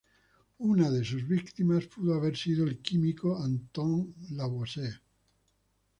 Una de sus víctimas pudo haber sido el químico Antoine Lavoisier.